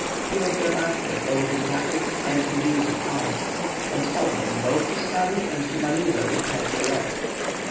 He was their master both in tactics and in the use of arms, and taught them both to study and to manœuvre with heads erect.